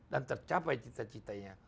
dan mencapai cita citanya